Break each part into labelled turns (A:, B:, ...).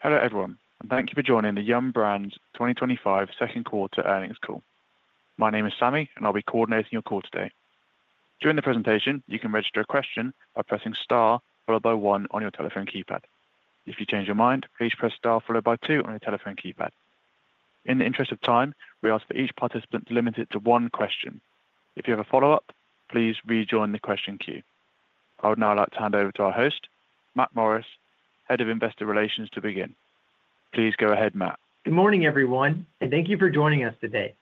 A: Hello everyone and thank you for joining the Yum! Brands 2025 second quarter earnings call. My name is Sami and I'll be coordinating your call today. During the presentation, you can register a question by pressing star followed by one on your telephone keypad. If you change your mind, please press star followed by two on your telephone keypad. In the interest of time, we ask for each participant to limit it to one question. If you have a follow up, please rejoin the question queue. I would now like to hand over to our host, Matt Morris, Head of Investor Relations, to begin. Please go ahead, Matt.
B: Good morning everyone and thank you for joining us today.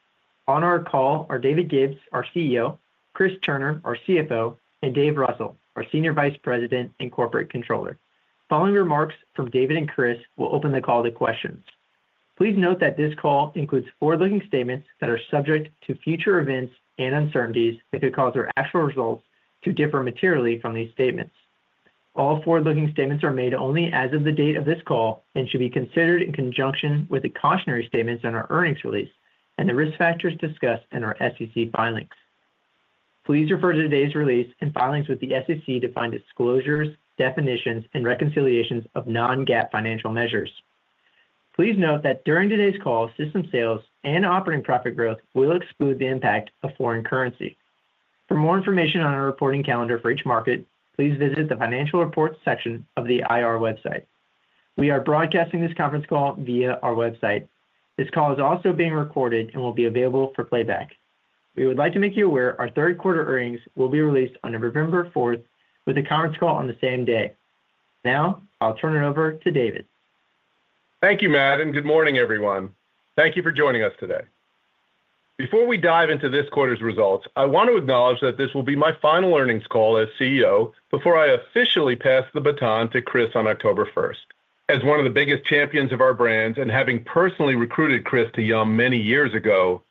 B: On our call are David Gibbs, our CEO, Chris Turner, our CFO, and Dave Russell, our Senior Vice President and Corporate Controller. Following remarks from David and Chris, we'll open the call to questions. Please note that this call includes forward-looking statements that are subject to future events and uncertainties that could cause our actual results to differ materially from these statements. All forward-looking statements are made only as of the date of this call and should be considered in conjunction with the cautionary statements in our earnings release and the risk factors discussed in our SEC filings. Please refer to today's release and filings with the SEC to find disclosures, definitions, and reconciliations of non-GAAP financial measures. Please note that during today's call, system sales and operating profit growth will exclude the impact of foreign currency. For more information on our reporting calendar for each market, please visit the Financial Reports section of the IR website. We are broadcasting this conference call via our website. This call is also being recorded and will be available for playback. We would like to make you aware our third quarter earnings will be released on November 4 with the conference call on the same day. Now I'll turn it over to David.
C: Thank you, Matt, and good morning, everyone. Thank you for joining us today. Before we dive into this quarter's results, I want to acknowledge that this will be my final earnings call as CEO before I officially pass the baton to Chris on October 1. As one of the biggest champions of our brand and having personally recruited Chris to Yum! Brands many years ago,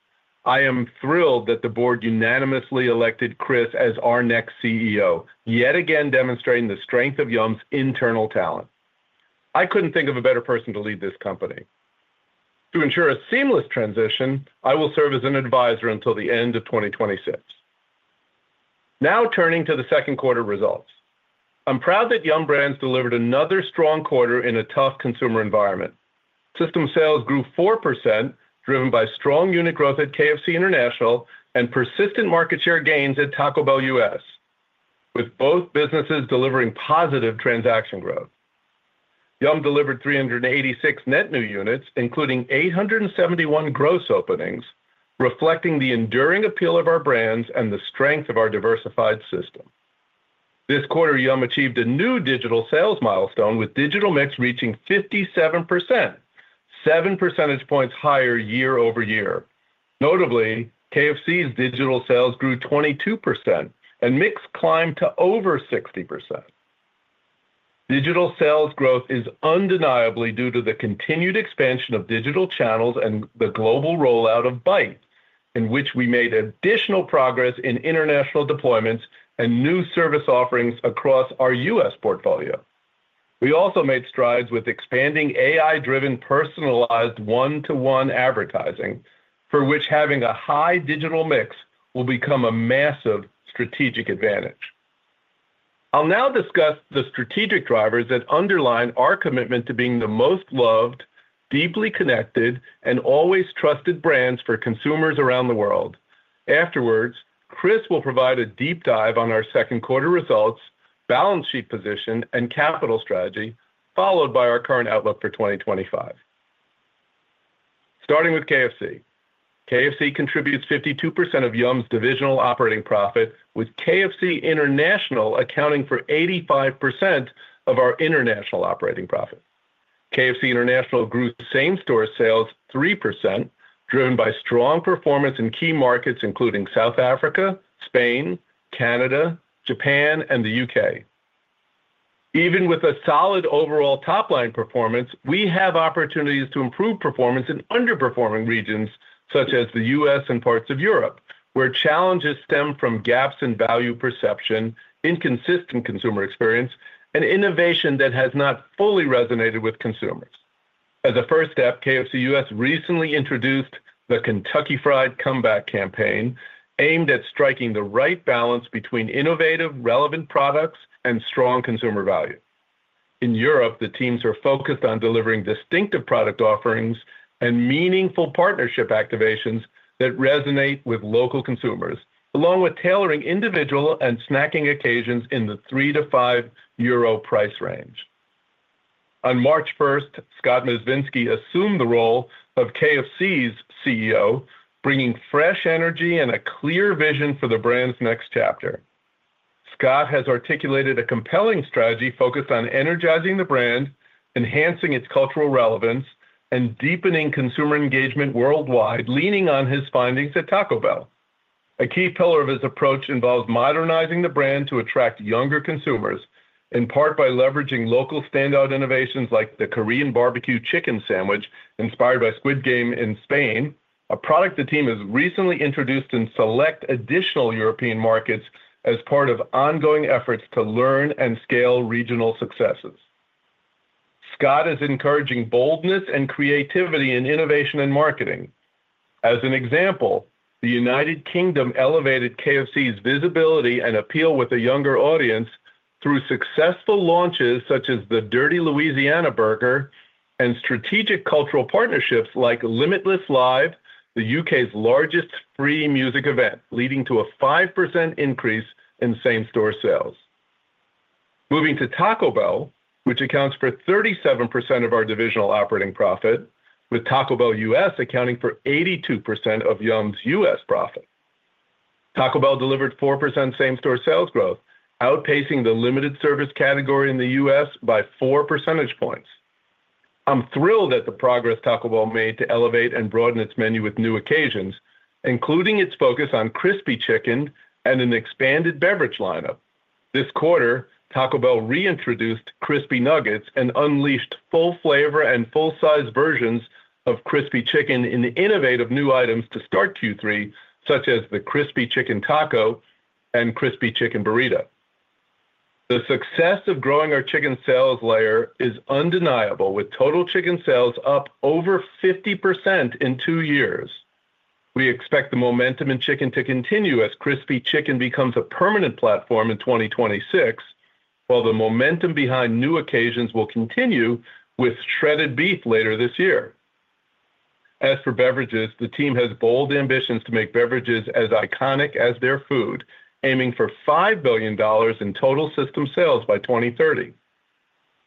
C: I am thrilled that the board unanimously elected Chris as our next CEO yet again. Demonstrating the strength of Yum! Brands' internal talent, I couldn't think of a better person to lead this company. To ensure a seamless transition, I will serve as an advisor until the end of 2026. Now turning to the second quarter results, I'm proud that Yum! Brands delivered another strong quarter in a tough consumer environment. System sales grew 4% driven by strong unit growth at KFC International and persistent market share gains at Taco Bell U.S. with both businesses delivering positive transaction growth. Yum! delivered 386 net new units including 871 gross openings, reflecting the enduring appeal of our brands and the strength of our diversified system. This quarter Yum! achieved a new digital sales milestone with digital mix reaching 57%, 7 percentage points higher year over year. Notably, KFC's digital sales grew 22% and mix climbed to over 60%. Digital sales growth is undeniably due to the continued expansion of digital channels and the global rollout of Bite, in which we made additional progress in international deployments and new service offerings across our U.S. portfolio. We also made strides with expanding AI-driven personalized one-to-one advertising for which having a high digital mix will become a massive strategic advantage. I'll now discuss the strategic drivers that underline our commitment to being the most loved, deeply connected, and always trusted brands for consumers around the world. Afterwards, Chris will provide a deep dive on our second quarter results, balance sheet position, and capital strategy followed by our current outlook for 2025. Starting with KFC, KFC contributes 52% of Yum! Brands' divisional operating profit with KFC International accounting for 85% of our international operating profit. KFC International grew same-store sales 3%, driven by strong performance in key markets including South Africa, Spain, Canada, Japan, and the UK. Even with a solid overall top line performance, we have opportunities to improve performance in underperforming regions such as the U.S. and parts of Europe, where challenges stem from gaps in value perception, inconsistent consumer experience, and innovation that has not fully resonated with consumers. As a first step, KFC U.S. recently introduced the Kentucky Fried Comeback campaign aimed at striking the right balance between innovative, relevant products and strong consumer value. In Europe, the teams are focused on delivering distinctive product offerings and meaningful partnership activations that resonate with local consumers, along with tailoring individual and snacking occasions in the €3 to €5 price range. On March 1, Scott Mezvinsky assumed the role of KFC's CEO, bringing fresh energy and a clear vision for the brand's next chapter. Scott has articulated a compelling strategy focused on energizing the brand, enhancing its cultural relevance, and deepening consumer engagement worldwide. Leaning on his findings at Taco Bell, a key pillar of his approach involves modernizing the brand to attract younger consumers, in part by leveraging local standout innovations like the Korean barbecue chicken sandwich inspired by Squid Game in Spain, a product the team has recently introduced in select additional European markets. As part of ongoing efforts to learn and scale regional successes, Scott is encouraging boldness and creativity in innovation and marketing. As an example, the UK elevated KFC's visibility and appeal with a younger audience through successful launches such as the Dirty Louisiana Burger and strategic cultural partnerships like Limitless Live, the UK's largest free music event, leading to a 5% increase in same-store sales. Moving to Taco Bell, which accounts for 37% of our divisional operating profit, with Taco Bell U.S. accounting for 82% of Yum! Brands' U.S. profit, Taco Bell delivered 4% same-store sales growth, outpacing the limited service category in the U.S. by 4 percentage points. I'm thrilled at the progress Taco Bell made to elevate and broaden its menu with new occasions, including its focus on crispy chicken and an expanded beverage lineup. This quarter, Taco Bell reintroduced crispy nuggets and unleashed full flavor and full size versions of crispy chicken in innovative new items to start Q3, such as the Crispy Chicken Taco and Crispy Chicken Burrito. The success of growing our chicken sales layer is undeniable, with total chicken sales up over 50% in two years. We expect the momentum in chicken to continue as crispy chicken becomes a permanent platform in 2026, while the momentum behind new occasions will continue with shredded beef later this year. As for beverages, the team has bold ambitions to make beverages as iconic as their food, aiming for $5 billion in total system sales by 2030.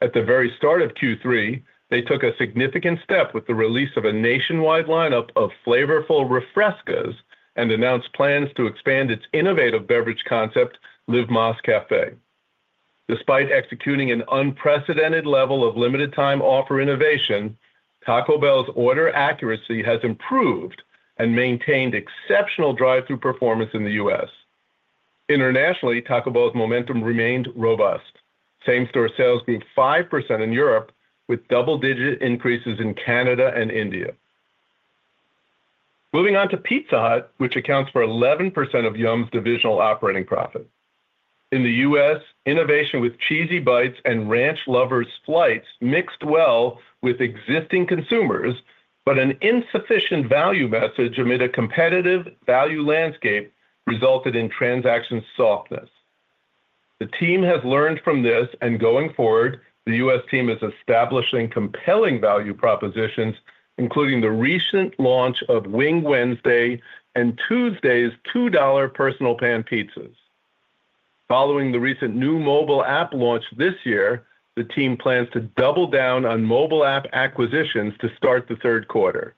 C: At the very start of Q3, they took a significant step with the release of a nationwide lineup of flavorful Refrescas and announced plans to expand its innovative beverage concept Live Más Café. Despite executing an unprecedented level of limited time offer innovation, Taco Bell's order accuracy has improved and maintained exceptional drive through performance in the U.S. Internationally, Taco Bell's momentum remained robust. Same-store sales grew 5% in Europe, with double-digit increases in Canada and India. Moving on to Pizza Hut, which accounts for 11% of Yum! Brands' divisional operating profit in the U.S., innovation with Cheesy Bites and Ranch Lovers flights mixed well with existing consumers, but an insufficient value message amid a competitive value landscape resulted in transaction softness. The team has learned from this, and going forward the U.S. team is establishing compelling value propositions, including the recent launch of Wing Wednesday and Tuesday's $2 personal pan pizzas following the recent new mobile app launch. This year, the team plans to double down on mobile app acquisitions to start the third quarter.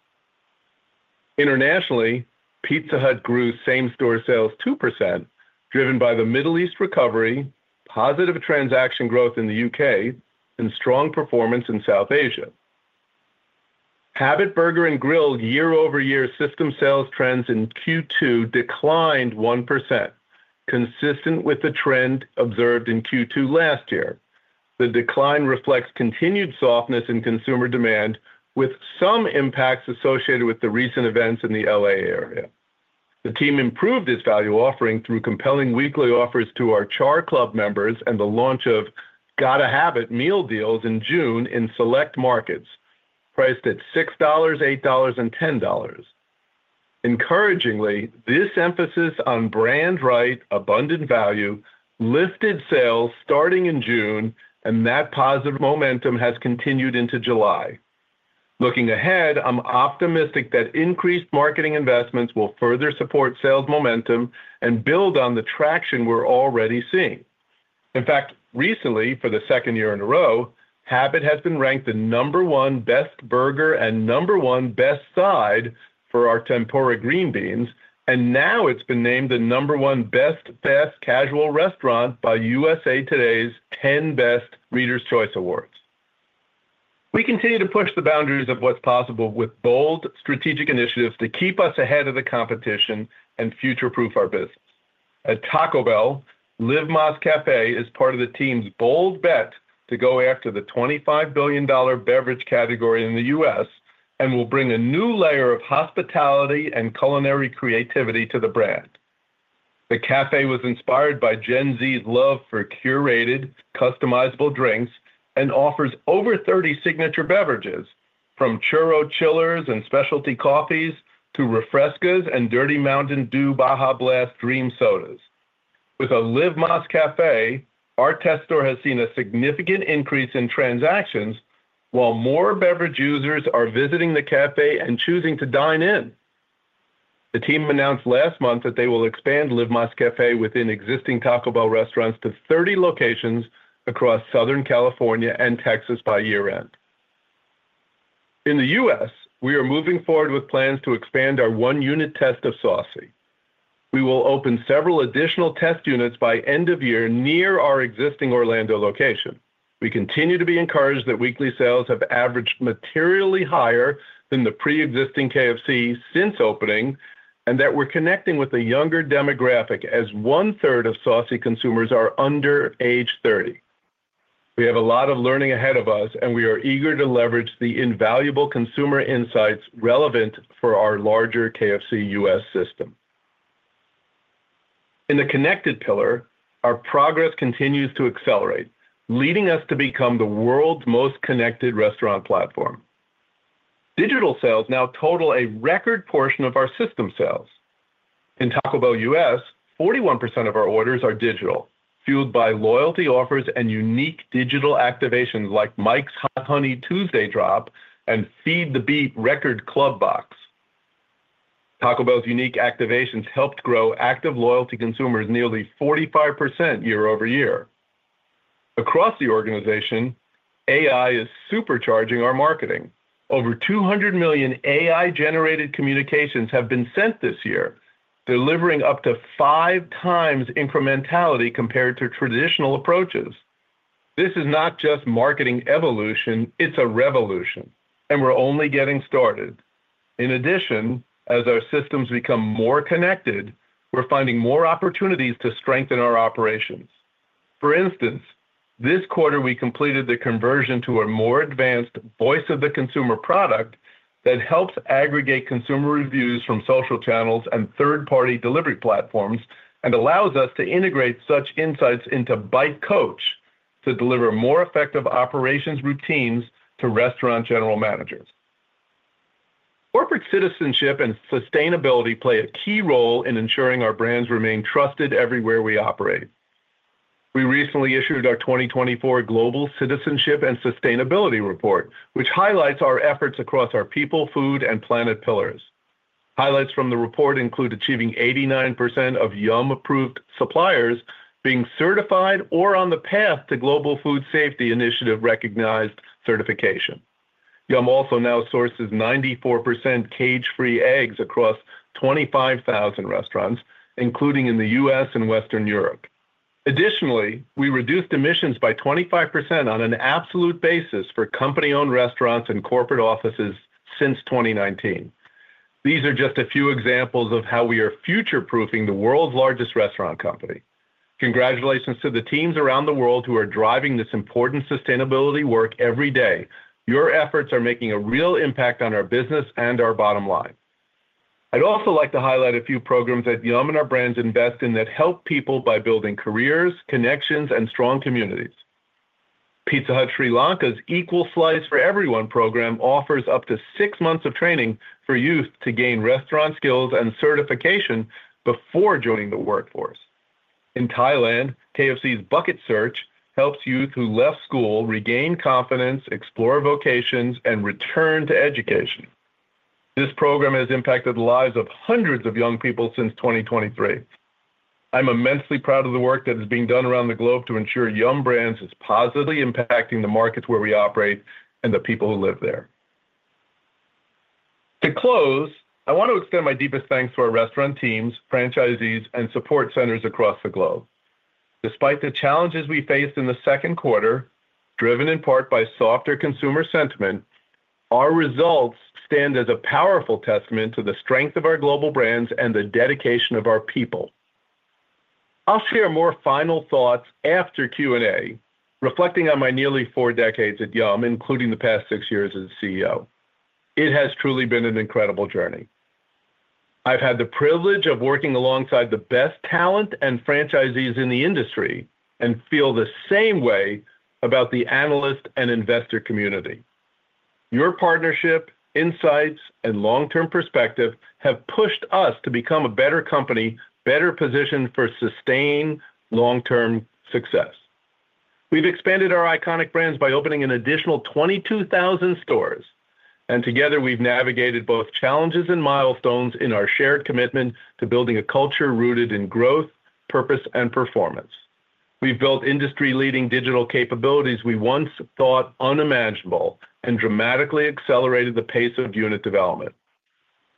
C: Internationally, Pizza Hut grew same-store sales 2% driven by the Middle East recovery, positive transaction growth in the UK, and strong performance in South Asia. Habit Burger year-over-year system sales trends in Q2 declined 1%, consistent with the trend observed in Q2 last year. The decline reflects continued softness in consumer demand with some impacts associated with the recent events in the LA area. The team improved its value offering through compelling weekly offers to our Char Club members and the launch of Gotta Have It meal deals in June in select markets priced at $6, $8, and $10. Encouragingly, this emphasis on brand-right abundant value lifted sales starting in June, and that positive momentum has continued into July. Looking ahead, I'm optimistic that increased marketing investments will further support sales momentum and build on the traction we're already seeing. In fact, recently for the second year in a row, Habit has been ranked the number one best burger and number one best side for our Tempura Green Beans, and now it's been named the number one best casual restaurant by USA Today's 10 Best Readers' Choice Awards. We continue to push the boundaries of what's possible with bold strategic initiatives to keep us ahead of the competition and future-proof our business. At Taco Bell, Live Más Café is part of the team's bold bet to go after the $25 billion beverage category in the U.S. and will bring a new layer of hospitality and culinary creativity to the brand. The cafe was inspired by Gen Z's love for curated, customizable drinks and offers over 30 signature beverages, from churro chillers and specialty coffees to Refrescas and Dirty Mountain Dew Baja Blast Dream Sodas. With a Live Más Café, our test store has seen a significant increase in transactions, while more beverage users are visiting the cafe and choosing to dine in. The team announced last month that they will expand Live Más Café within existing Taco Bell restaurants to 3,030 locations across Southern California and Texas by year end. In the U.S. we are moving forward with plans to expand our one unit test of Saucy by KFC. We will open several additional test units by end of year near our existing Orlando location. We continue to be encouraged that weekly sales have averaged materially higher than the pre-existing KFC since opening and that we're connecting with a younger demographic, as one third of Saucy by KFC consumers are under age 30. We have a lot of learning ahead of us and we are eager to leverage the invaluable consumer insights relevant for our larger KFC U.S. system in the Connected pillar. Our progress continues to accelerate, leading us to become the world's most connected restaurant platform. Digital sales now total a record portion of our system sales. In Taco Bell U.S., 41% of our orders are digital. Fueled by loyalty offers and unique digital activations like Mike's Hot Honey Tuesday Drop and Feed the Beat Record Club Box, Taco Bell's unique activations helped grow active loyalty consumers nearly 45% year over year across the organization. AI is supercharging our marketing. Over 200 million AI-generated communications have been sent this year, delivering up to five times incrementality compared to traditional approaches. This is not just marketing evolution, it's a revolution and we're only getting started. In addition, as our systems become more connected, we're finding more opportunities to strengthen our operations. For instance, this quarter we completed the conversion to a more advanced voice of the consumer product that helps aggregate consumer reviews from social channels and third-party delivery platforms and allows us to integrate such insights into Bite Coach to deliver more effective operations routines to restaurant general managers. Corporate citizenship and sustainability play a key role in ensuring our brands remain trusted everywhere we operate. We recently issued our 2024 Global Citizenship and Sustainability Report, which highlights our efforts across our People, Food and Planet Pillar. Highlights from the report include achieving 89% of Yum! Brands approved suppliers being certified or on the path to Global Food Safety Initiative recognized certification. Yum! Brands also now sources 94% cage-free eggs across 25,000 restaurants, including in the U.S. and Western Europe. Additionally, we reduced emissions by 25% on an absolute basis for company-owned restaurants and corporate offices since 2019. These are just a few examples of how we are future-proofing the world's largest restaurant company. Congratulations to the teams around the world who are driving this important sustainability work every day. Your efforts are making a real impact on our business and our bottom line. I'd also like to highlight a few programs that Yum! Brands and our brands invest in that help people by building careers, connections, and strong communities. Pizza Hut, Sri Lanka's Equal Slice for Everyone program, offers up to six months of training for youth to gain restaurant skills and certification before joining the workforce. In Thailand, KFC's Bucket Search helps youth who left school regain confidence, explore vocations, and return to education. This program has impacted the lives of hundreds of young people since 2023. I'm immensely proud of the work that is being done around the globe to ensure Yum! Brands is positively impacting the markets where we operate and the people who live there. To close, I want to extend my deepest thanks to our restaurant teams, franchisees, and support centers across the globe. Despite the challenges we faced in the second quarter, driven in part by softer consumer sentiment, our results stand as a powerful testament to the strength of our global brands and the dedication of our people. I'll share more final thoughts after Q&A reflecting on my nearly four decades at Yum! Brands, including the past six years as CEO. It has truly been an incredible journey. I've had the privilege of working alongside the best talent and franchisees in the industry and feel the same way about the analyst and investor community. Your partnership, insights, and long-term perspective have pushed us to become a better company and better positioned for sustained long-term success. We've expanded our iconic brands by opening an additional 22,000 stores, and together we've navigated both challenges and milestones in our shared commitment to building a culture rooted in growth, purpose, and performance. We've built industry-leading digital capabilities we once thought unimaginable and dramatically accelerated the pace of unit development.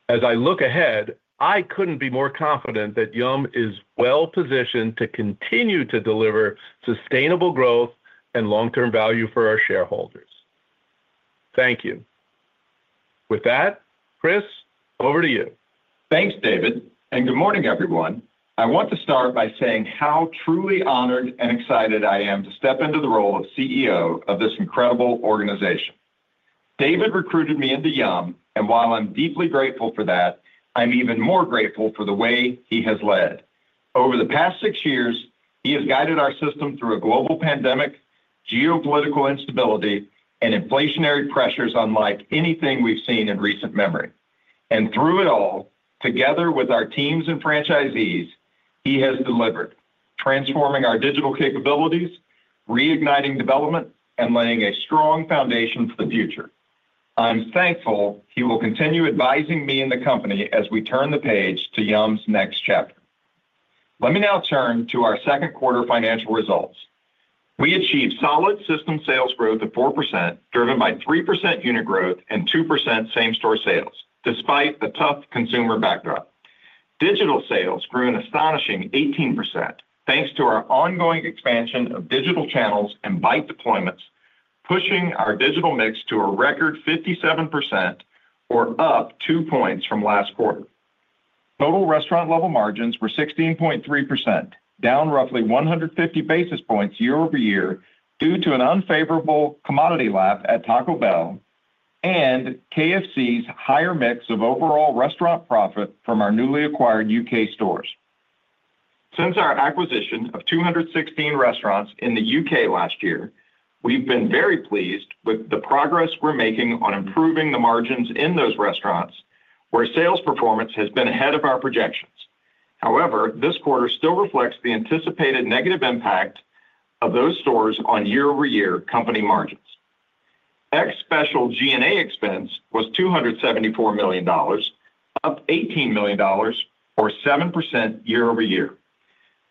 C: As I look ahead, I couldn't be more confident that Yum! Brands is well positioned to continue to deliver sustainable growth and long-term value for our shareholders. Thank you. With that, Chris, over to you.
D: Thanks David and good morning everyone. I want to start by saying how truly honored and excited I am to step into the role of CEO of this incredible organization. David recruited me into Yum and while I'm deeply grateful for that, I'm even more grateful for the way he has led over the past six years. He has guided our system through a global pandemic, geopolitical instability, and inflationary pressures unlike anything we've seen in recent memory. Through it all, together with our teams and franchisees, he has delivered, transforming our digital capabilities, reigniting development, and laying a strong foundation for the future. I'm thankful he will continue advising me and the company as we turn the page to Yum's next chapter. Let me now turn to our second quarter financial results. We achieved solid system sales growth of 4% driven by 3% unit growth and 2% same-store sales despite the tough consumer backdrop. Digital sales grew an astonishing 18% thanks to our ongoing expansion of digital channels and Bite deployments, pushing our digital mix to a record 57%, up 2 points from last quarter. Total restaurant-level margins were 16.3%, down roughly 150 basis points year over year due to an unfavorable commodity lap at Taco Bell and KFC's higher mix of overall restaurant profit from our newly acquired UK stores. Since our acquisition of 216 restaurants in the UK last year, we've been very pleased with the progress we're making on improving the margins in those restaurants where sales performance has been ahead of our projections. However, this quarter still reflects the anticipated negative impact of those stores on year-over-year company margins. Ex-special G&A expense was $274 million, up $18 million or 7% year over year.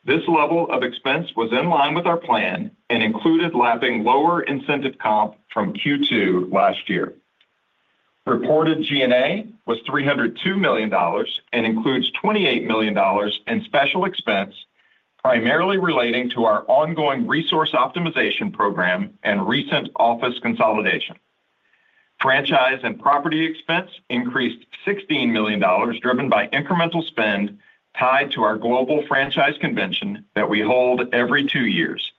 D: This level of expense was in line with our plan and included lapping lower incentive comp from Q2 last year. Reported G&A was $302 million and includes $28 million in special expense primarily relating to our ongoing resource optimization program and recent office consolidation. Franchise and property expense increased $16 million driven by incremental spend tied to our Global Franchise Convention that we hold every two years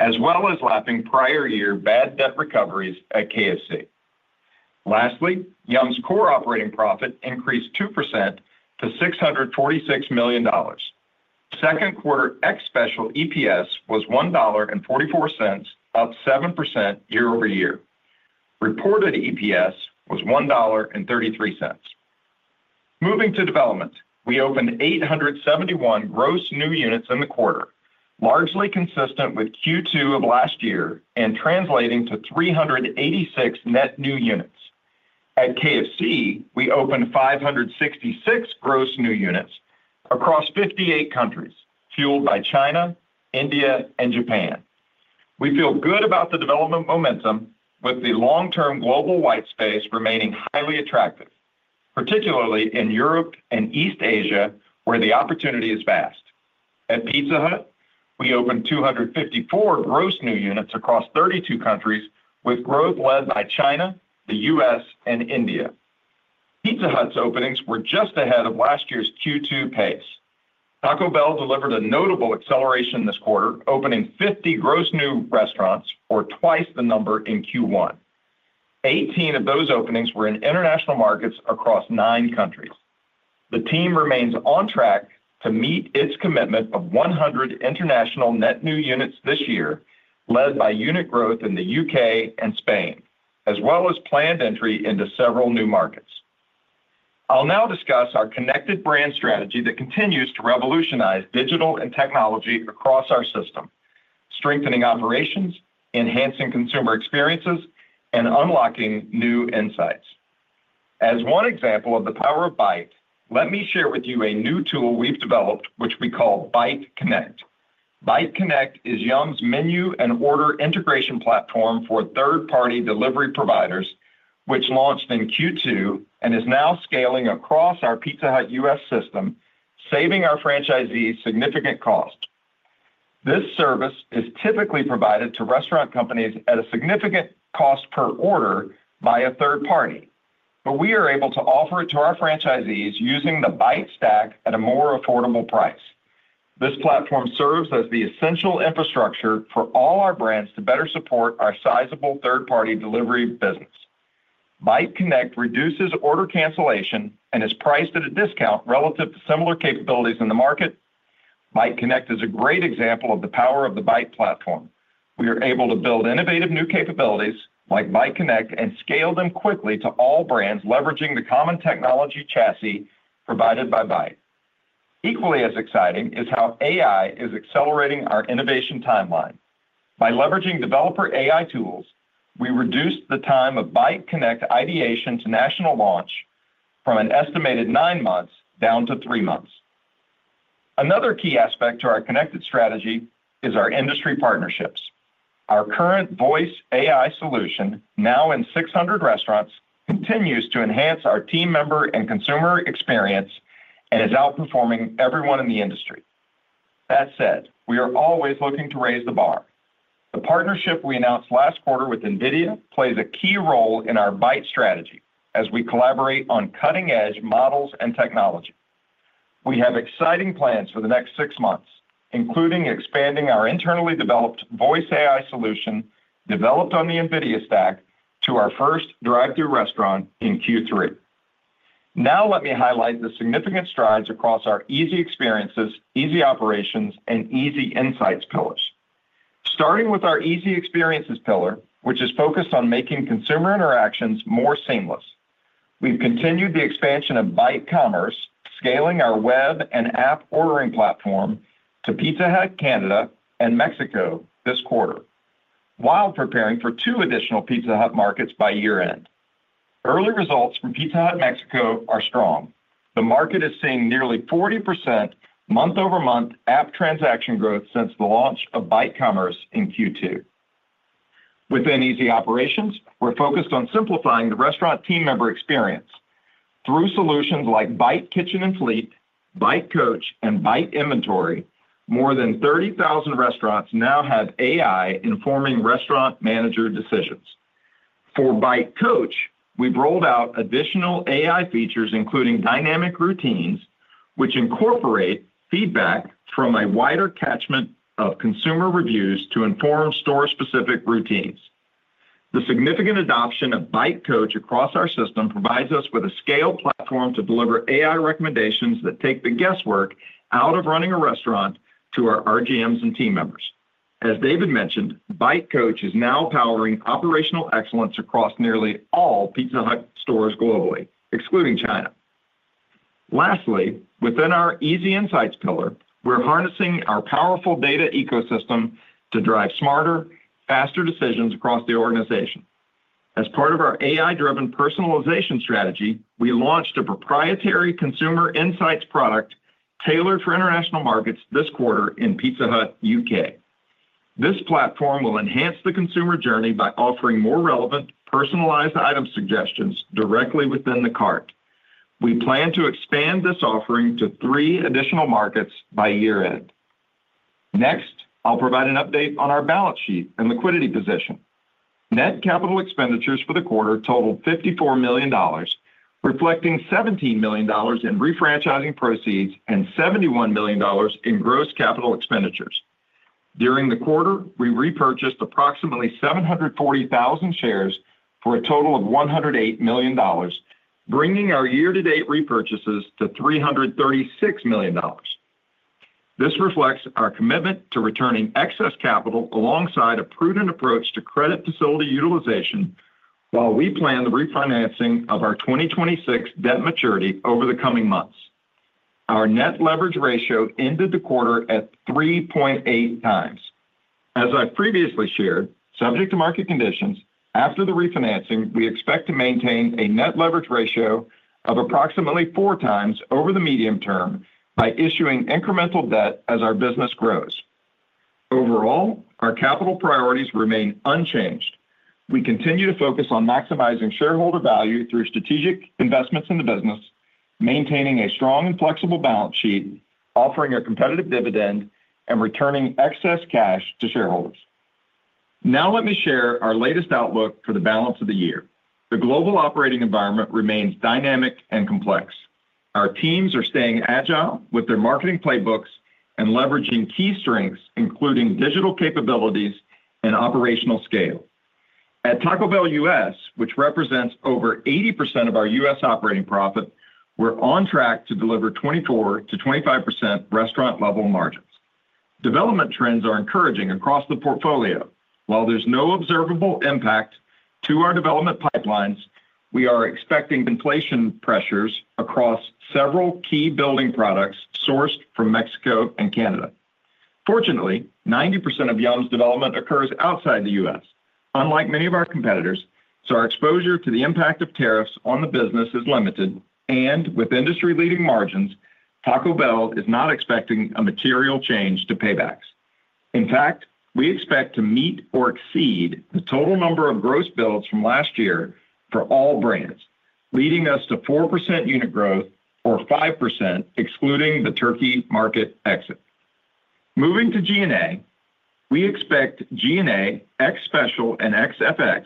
D: as well as lapping prior year bad debt recoveries at KFC. Lastly, Yum's core operating profit increased 2%$646 million. Second quarter ex-special EPS was $1.44, up 7% year over year. Reported EPS was $1.33. Moving to development, we opened 871 gross new units in the quarter, largely consistent with Q2 of last year and translating to 386 net new units. At KFC, we opened 566 gross new units across 58 countries, fueled by China, India, and Japan. We feel good about the development momentum with the long-term global white space remaining highly attractive, particularly in Europe and East Asia where the opportunity is vast. At Pizza Hut, we opened 254 gross new units across 32 countries, with growth led by China, the U.S., and India. Pizza Hut's openings were just ahead of last year's Q2 pace. Taco Bell delivered a notable acceleration this quarter, opening 50 gross new restaurants or twice the number in Q1. Eighteen of those openings were in international markets across nine countries. The team remains on track to meet its commitment of 100 international net new units this year, led by unit growth in the UK and Spain as well as planned entry into several new markets. I'll now discuss our connected brand strategy that continues to revolutionize digital and technology across our system, strengthening operations, enhancing consumer experiences, and unlocking new insights. As one example of the power of Bite, let me share with you a new tool we've developed which we call Bite Connect. Bite Connect is Yum! Brands' menu and order integration platform for third-party delivery providers which launched in Q2 and is now scaling across our Pizza Hut U.S. system, saving our franchisees significant cost. This service is typically provided to restaurant companies at a significant cost per order by a third party, but we are able to offer it to our franchisees using the Bite stack at a more affordable price. This platform serves as the essential infrastructure for all our brands to better support our sizable third-party delivery business. Bite Connect reduces order cancellation and is priced at a discount relative to similar capabilities in the market. Bite Connect is a great example of the power of the Bite platform. We are able to build innovative new capabilities like Bite Connect and scale them quickly to all brands leveraging the common technology chassis provided by Bite. Equally as exciting is how AI is accelerating our innovation timeline by leveraging developer AI tools. We reduced the time of Bite Connect ideation to national launch from an estimated nine months down to three months. Another key aspect to our connected strategy is our industry partnerships. Our current Voice AI solution, now in 600 restaurants, continues to enhance our team member and consumer experience and is outperforming everyone in the industry. That said, we are always looking to raise the bar. The partnership we announced last quarter with NVIDIA plays a key role in our Bite strategy as we collaborate on cutting edge models and technology. We have exciting plans for the next six months, including expanding our internally developed Voice AI solution developed on the NVIDIA stack to our first drive-thru restaurant in Q3. Now let me highlight the significant strides across our Easy Experiences, Easy Operations, and Easy Insights pillars, starting with our Easy Experiences pillar, which is focused on making consumer interactions more seamless. We've continued the expansion of Bite Commerce, scaling our web and app ordering platform to Pizza Hut, Canada, and Mexico this quarter while preparing for two additional Pizza Hut markets by year end. Early results from Pizza Hut Mexico are strong. The market is seeing nearly 40% month-over-month app transaction growth since the launch of Bite Commerce in Q2. Within Easy Operations, we're focused on simplifying the restaurant team member experience through solutions like Bite Kitchen and Delivery System, Bite Coach, and Bite Inventory. More than 30,000 restaurants now have AI informing restaurant manager decisions. For Bite Coach, we've rolled out additional AI features, including dynamic routines, which incorporate feedback from a wider catchment of consumer reviews to inform store-specific routines. The significant adoption of Bite Coach across our system provides us with a scale platform to deliver AI recommendations that take the guesswork out of running a restaurant to our RGMs and team members. As David mentioned, Bite Coach is now powering operational excellence across nearly all Pizza Hut stores globally, excluding China. Lastly, within our Easy Insights pillar, we're harnessing our powerful data ecosystem to drive smarter, faster decisions across the organization. As part of our AI-driven personalization strategy, we launched a proprietary Consumer Insights product tailored for international markets this quarter in Pizza Hut UK. This platform will enhance the consumer journey by offering more relevant, personalized item suggestions directly within the cart. We plan to expand this offering to three additional markets by year end. Next, I'll provide an update on our balance sheet and liquidity position. Net capital expenditures for the quarter totaled $54 million, reflecting $17 million in refranchising proceeds and $71 million in gross capital expenditures. During the quarter, we repurchased approximately 740,000 shares for a total of $108 million, bringing our year to date repurchases to $336 million. This reflects our commitment to returning excess capital alongside a prudent approach to credit facility utilization while we plan the refinancing of our 2026 debt maturity over the coming months. Our net leverage ratio ended the quarter at 3.8 times, as I previously shared, subject to market conditions. After the refinancing, we expect to maintain a net leverage ratio of approximately 4 times over the medium term by issuing incremental debt as our business grows. Overall, our capital priorities remain unchanged. We continue to focus on maximizing shareholder value through strategic investments in the business, maintaining a strong and flexible balance sheet, offering a competitive dividend, and returning excess cash to shareholders. Now let me share our latest outlook for the balance of the year. The global operating environment remains dynamic and complex. Our teams are staying agile with their marketing playbooks and leveraging key strengths including digital capabilities and operational scale. At Taco Bell U.S., which represents over 80% of our U.S. operating profit, we're on track to deliver 24%-25% restaurant level margins. Development trends are encouraging across the portfolio. While there's no observable impact to our development pipelines, we are expecting inflation pressures across several key building products sourced from Mexico and Canada. Fortunately, 90% of Yum! Brands development occurs outside the U.S. unlike many of our competitors, so our exposure to the impact of tariffs on the business is limited and with industry leading margins, Taco Bell is not expecting a material change to paybacks. In fact, we expect to meet or exceed the total number of gross builds from last year for all brands, leading us to 4% unit growth or 5% excluding the Turkey market exit. Moving to G&A, we expect G&A, ex-special and FX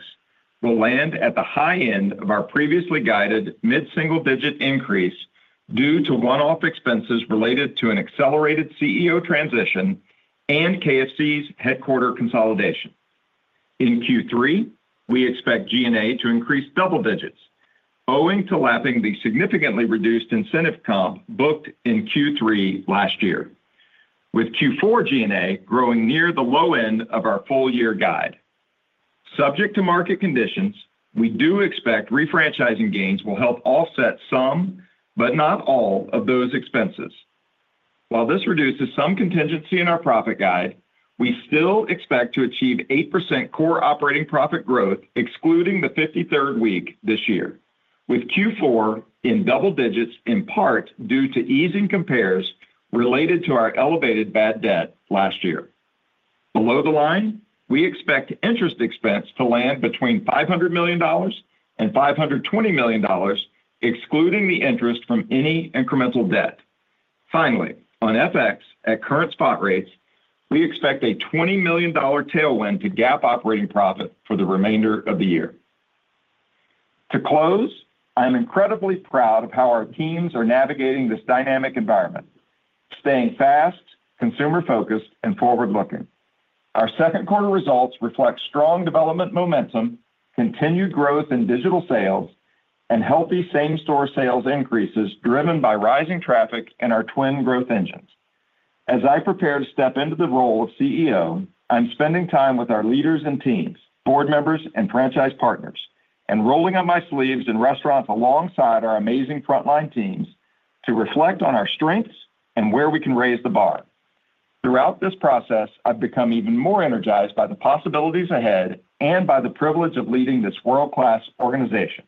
D: will land at the high end of our previously guided mid single digit increase due to one off expenses related to an accelerated CEO transition and KFC's headquarter consolidation. In Q3, we expect G&A to increase double digits owing to lapping the significantly reduced incentive comp booked in Q3 last year. With Q4 and a growing near the low end of our full year guide subject to market conditions, we do expect refranchising gains will help offset some, but not all of those expenses. While this reduces some contingency in our profit guide, we still expect to achieve 8% core operating profit growth excluding the 53rd week this year with Q4 in double digits in part due to easing compares related to our elevated bad debt last year. Below the line, we expect interest expense to land between $500 million and $520 million excluding the interest from any incremental debt. Finally, on FX at current spot rates, we expect a $20 million tailwind to GAAP operating profit for the remainder of the year to close. I am incredibly proud of how our teams are navigating this dynamic environment, staying fast, consumer focused and forward looking. Our second quarter results reflect strong development momentum, continued growth in digital sales, and healthy same-store sales increases driven by rising traffic and our twin growth engines. As I prepare to step into the role of CEO, I'm spending time with our leaders and teams, board members and franchise partners, and rolling up my sleeves in restaurants alongside our amazing frontline teams to reflect on our strengths and where we can raise the bar. Throughout this process, I've become even more energized by the possibilities ahead and by the privilege of leading this world class organization,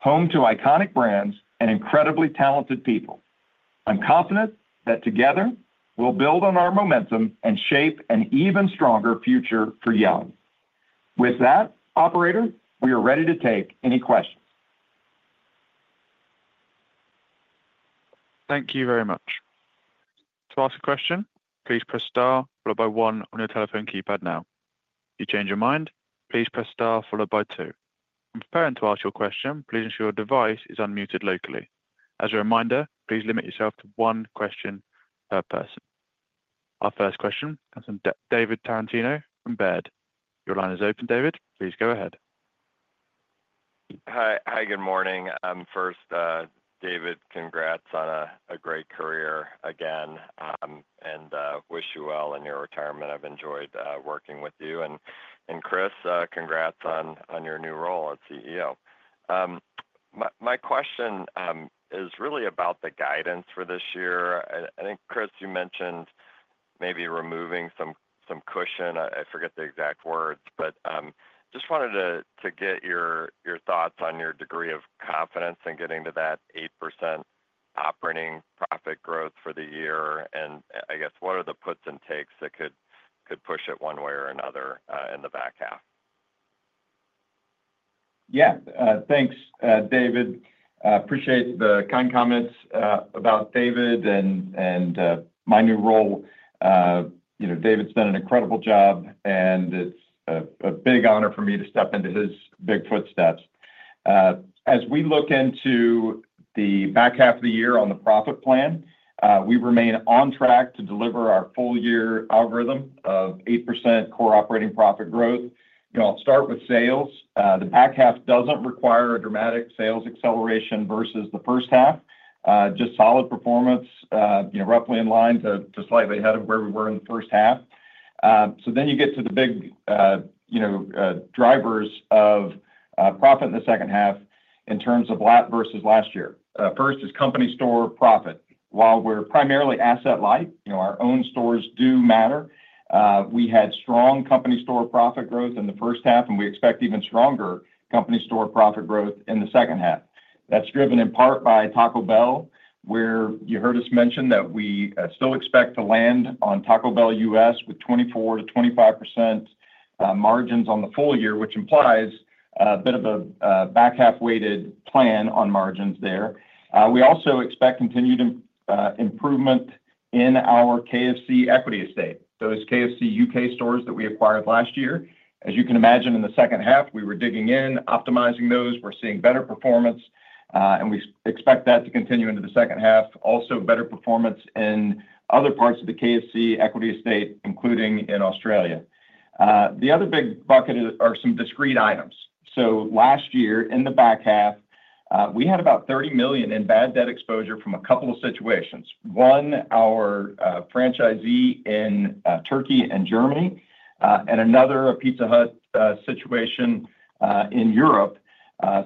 D: home to iconic brands and incredibly talented people. I'm confident that together we'll build on our momentum and shape an even stronger future for Yum! Brands.With that operator, we are ready to take any questions.
A: Thank you very much. To ask a question, please press Star followed by 1 on your telephone keypad. If you change your mind, please press Star followed by 2. When preparing to ask your question, please ensure your device is unmuted locally. As a reminder, please limit yourself to one question per person. Our first question comes from David Tarantino from Baird. Your line is open, David. Please go ahead.
E: Hi, good morning. First, David, congrats on a great career again and wish you well in your retirement. I've enjoyed working with you. Chris, congrats on your new role as CEO. My question is really about the guidance for this year. I think Chris, you mentioned maybe removing some cushion. I forget the exact words, just wanted to get your thoughts on your degree of confidence in getting to that 8% operating profit growth for the year. I guess what are the puts and takes that could push it one way or another in the back half?
D: Yeah, thanks David. Appreciate the kind comments about David and my new role. David's done an incredible job and it's a big honor for me to step into his big footsteps. As we look into the back half of the year on the profit plan, we remain on track to deliver our full year algorithm of 8% core operating profit growth. I'll start with sales. The back half doesn't require a dramatic sales acceleration versus the first half, just solid performance, roughly in line to slightly ahead of where we were in the first half. You get to the big drivers of profit in the second half in terms of versus last year. First is company store profit. While we're primarily asset-light, our own stores do matter. We had strong company store profit growth in the first half and we expect even stronger company store profit growth in the second half. That's driven in part by Taco Bell where you heard us mention that we still expect to land on Taco Bell U.S. with 24% to 25% margins on the full year, which implies a bit of a back half weighted plan on margins there. We also expect continued improvement in our KFC equity estate. Those KFC UK stores that we acquired last year, as you can imagine, in the second half we were digging in, optimizing those. We're seeing better performance and we expect that to continue into the second half. Also better performance in other parts of the KFC equity estate, including in Australia. The other big bucket are some discrete items. Last year in the back half we had about $30 million in bad debt exposure from a couple of situations. One, our franchisee in Turkey and Germany and another Pizza Hut situation in Europe.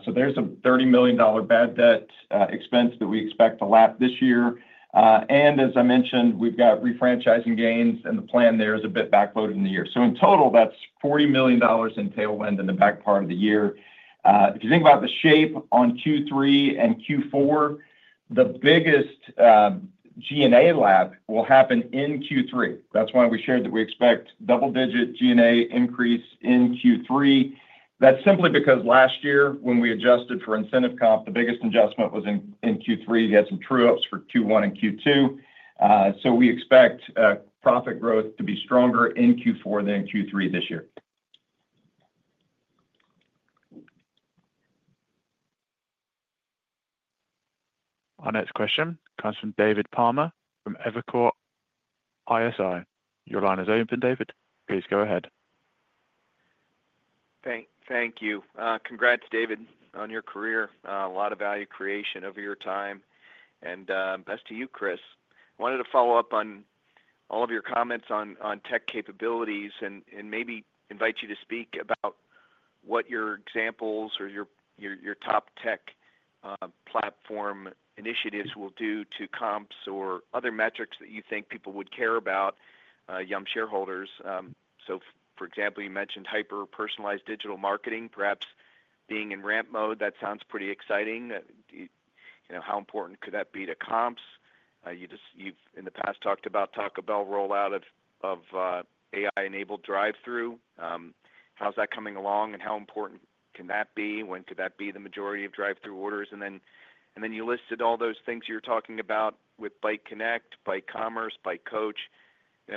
D: There's a $30 million bad debt expense that we expect to lap this year. As I mentioned, we've got refranchising gains and the plan there is a bit backloaded in the year. In total that's $40 million in tailwind in the back part of the year. If you think about the shape on Q3 and Q4, the biggest G&A lap will happen in Q3. That's why we shared that we expect double digit G&A increase in Q3. That's simply because last year when we adjusted for incentive comp, the biggest adjustment was in Q3. You had some true ups for Q1 and Q2. We expect profit growth to be stronger in Q4 than Q3 this year.
A: Our next question comes from David Palmer from Evercore ISI. Your line is open, David. Please go ahead.
F: Thank you. Congrats, David, on your career, a lot of value creation over your time, and best to you Chris, wanted to follow up on all of your comments on tech capabilities, maybe invite you to speak about what your examples or your top tech platform initiatives will do to comps or other metrics that you think people would care about Yum shareholders. For example, you mentioned hyper personalized digital marketing, perhaps being in ramp mode. That sounds pretty exciting. How important could that be to comps? You've in the past talked about Taco Bell rollout of AI-enabled drive-thru. How's that coming along and how important can that be? When could that be the majority of drive thru orders, and then you listed all those things you're talking about with Bite Connect, Bite Commerce, Bite Coach.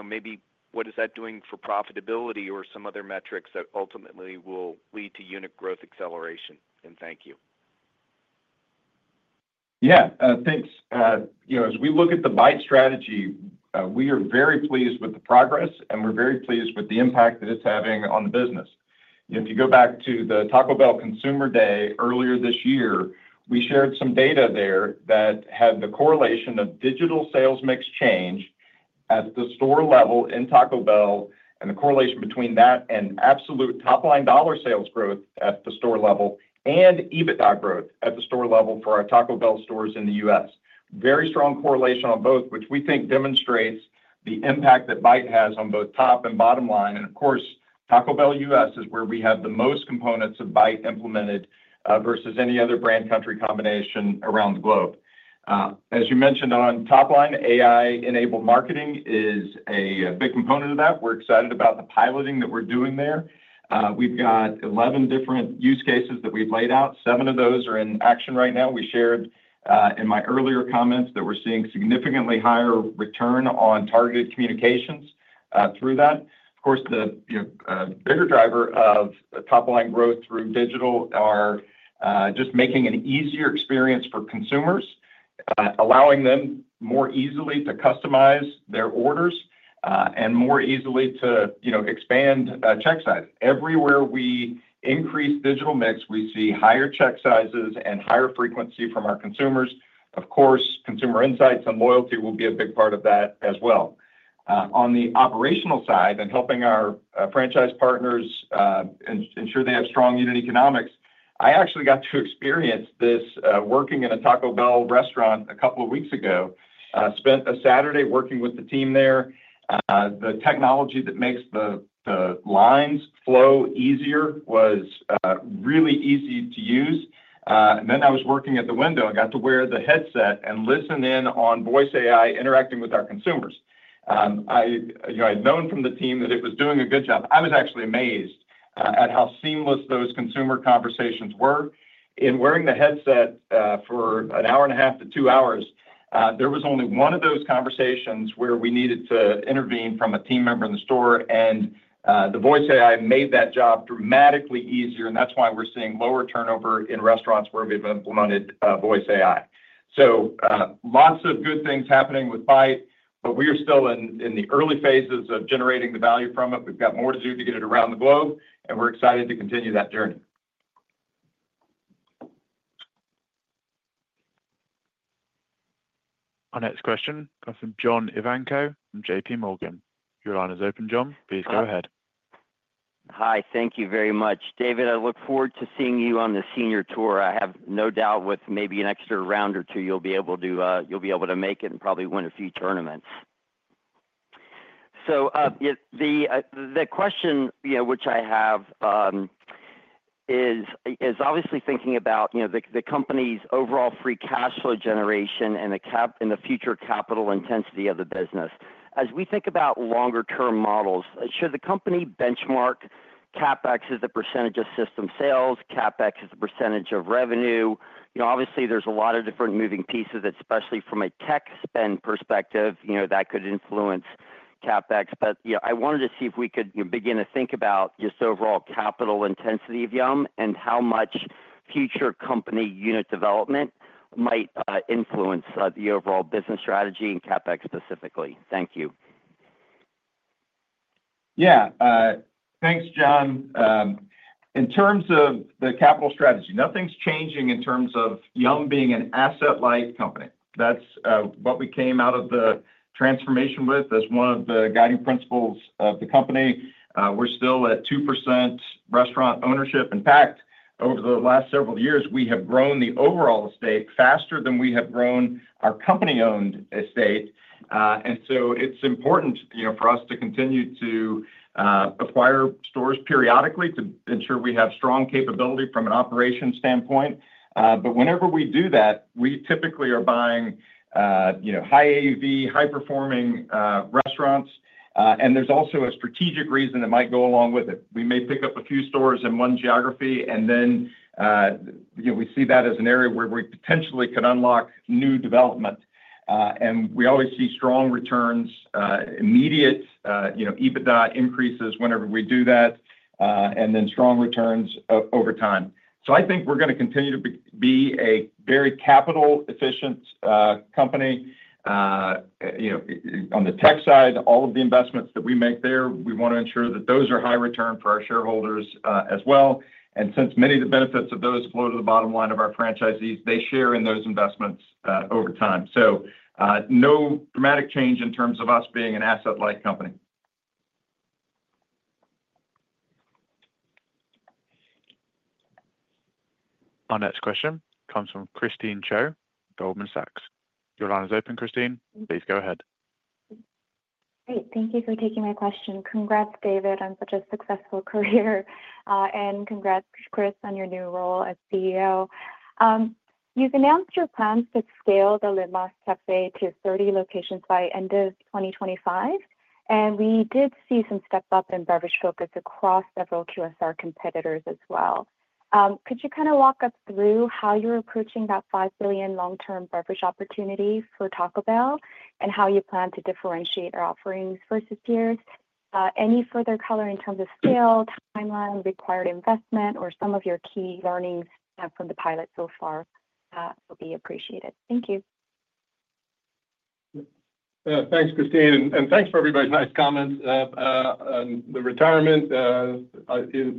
F: Maybe what is that doing for profitability or some other metrics that ultimately will lead to unit growth acceleration, and thank you.
D: Yeah, thanks. As we look at the Bite strategy, we are very pleased with the progress and we're very pleased with the impact that it's having on the business. If you go back to the Taco Bell consumer day earlier this year, we shared some data there that had the correlation of digital sales mix change at the store level in Taco Bell and the correlation between that and absolute top line dollar sales growth at the store level and EBITDA growth at the store level for our Taco Bell stores in the U.S. Very strong correlation on both, which we think demonstrates the impact that Bite has on both top and bottom line. Of course, Taco Bell U.S. is where we have the most components of Bite implemented versus any other brand country combination around the globe. As you mentioned on top line, AI enabled marketing is a big component of that. We're excited about the piloting that we're doing there. We've got 11 different use cases that we've laid out. Seven of those are in action right now. We shared in my earlier comments that we're seeing significantly higher return on targeted communications through that. Of course, the bigger driver of top line growth through digital is just making an easier experience for consumers, allowing them more easily to customize their orders and more easily to expand check size. Everywhere we increase digital mix we see higher check sizes and higher frequency from our consumers. Consumer insights and loyalty will be a big part of that as well. On the operational side and helping our franchise partners ensure they have strong unit economics. I actually got to experience this working in a Taco Bell restaurant a couple of weeks ago. Spent a Saturday working with the team there. The technology that makes the lines flow easier was really easy to use. I was working at the window. I got to wear the headset and listen in on Voice AI interacting with our consumers. I'd known from the team that it was doing a good job. I was actually amazed at how seamless those consumer conversations were. In wearing the headset for an hour and a half to two hours, there was only one of those conversations where we needed to intervene from a team member in the store. The Voice AI made that job dramatically easier. That's why we're seeing lower turnover in restaurants where we've implemented Voice AI. Lots of good things are happening with Bite, but we are still in the early phases of generating the value from it. We've got more to do to get it around the globe and we're excited to continue that journey.
A: Our next question comes from John Ivancoe from JPMorgan. Your line is open, John. Please go ahead.
G: Hi. Thank you very much, David. I look forward to seeing you on the senior tour. I have no doubt with maybe an extra round or two, you'll be able to make it and probably win a few tournaments. The question which I have is obviously thinking about the company's overall free cash flow generation and the future capital intensity of the business as we think about longer term models, should the company benchmark CapEx as a percentage of system sales, CapEx as a percentage of revenue? Obviously there's a lot of different moving pieces, especially from a tech spend perspective that could influence CapEx. I wanted to see if we could begin to think about just overall capital intensity of Yum! Brands and how much future company unit development might influence the overall business strategy and CapEx specifically.
D: Thank you. Yeah, thanks, John. In terms of the capital strategy, nothing's changing in terms of Yum! Brands being an asset-light company. That's what we came out of the transformation with as one of the guiding principles of the company. We're still at 2% restaurant ownership. In fact, over the last several years we have grown the overall estate faster than we have grown our company-owned estate. It's important for us to continue to acquire stores periodically to ensure we have strong capability from an operations standpoint. Whenever we do that, we typically are buying high-AUV, high-performing restaurants. There's also a strategic reason that might go along with it. We may pick up a few stores in one geography and then we see that as an area where we potentially could unlock new development. We always see strong returns, immediate EBITDA increases whenever we do that, and then strong returns over time. I think we're going to continue to be a very capital efficient company. On the tech side, all of the investments that we make there, we want to ensure that those are high return for our shareholders as well. Since many of the benefits of those flow to the bottom line of our franchisees, they share in those investments over time. No dramatic change in terms of us being an asset-light company.
A: Our next question comes from Christine Cho, Goldman Sachs. Your line is open, Christine. Please go ahead.
H: Great. Thank you for taking my question. Congrats David on such a successful career and congrats Chris on your new role as CEO. You've announced your plans to scale the Live Más Café to 30 locations by end of 2025 and we did see some step up in beverage focus across several QSR competitors as well. Could you kind of walk us through how you're approaching that $5 billion long-term beverage opportunity for Taco Bell and how you plan to differentiate our offerings versus peers? Any further color in terms of scale, timeline, required investment, or some of your key learnings from the pilot so far will be appreciated. Thank you.
D: Thanks, Christine. And thanks for everybody's nice comment on the retirement,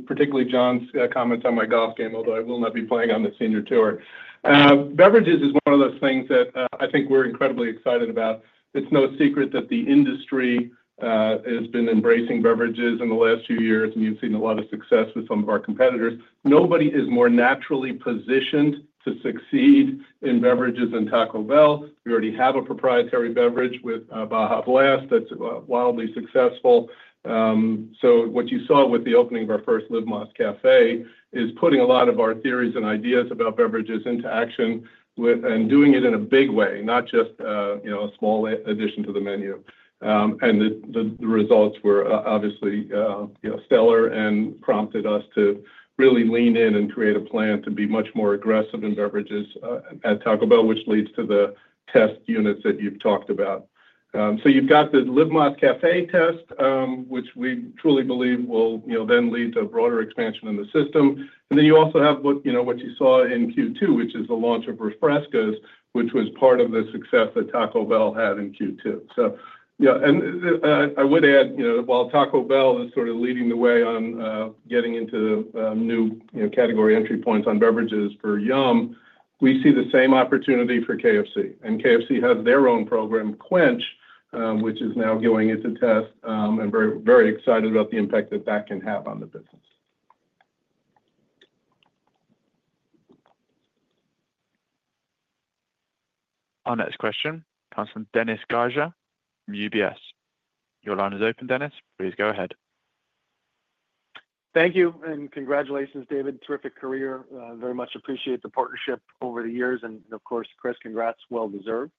D: particularly John's comments on my golf game. Although I will not be playing on the senior tour. Beverages is one of those things that I think we're incredibly excited about. It's no secret that the industry has been embracing beverages in the last few years, and you've seen a lot of success with some of our competitors. Nobody is more naturally positioned to succeed in beverages than Taco Bell. We already have a proprietary beverage with Baja Blast that's wildly successful. What you saw with the opening of our first Live Más Café is putting a lot of our theories and ideas about beverages into action and doing it in a big way, not just a small addition to the menu. The results were obviously stellar and prompted us to really lean in and create a plan to be much more aggressive in beverages at Taco Bell, which leads to the test units that you've talked about. You've got the Live Más Café test, which we truly believe will then lead to a broader expansion in the system. You also have what you saw in Q2, which is the launch of, which was part of the success that Taco Bell had in Q2. I would add, while Taco Bell is sort of leading the way on getting into new category entry points on beverages for Yum! Brands, we see the same opportunity for KFC. KFC has their own program, Quench, which is now going into test, and we are very excited about the impact that that can have on the business.
A: Our next question comes from Dennis Geiger, UBS. Your line is open, Dennis. Please go ahead.
I: Thank you and congratulations, David terrific career. Very much appreciate the partnership over the years. Of course, Chris, congrats. Well deserved.